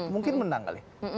mungkin menang kali